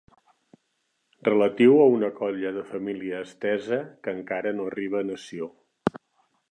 Relatiu a una colla de família estesa que encara no arriba a nació.